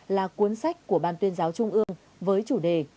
là cuốn sách của ban tuyên giáo trung ương với chủ đề